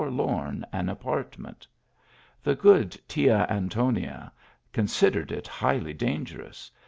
lorn an apartment. The good Tia Antonia consid ered it highly dangerous.